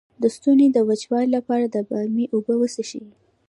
د ستوني د وچوالي لپاره د بامیې اوبه وڅښئ